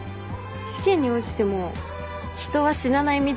試験に落ちても人は死なないみたいですよ。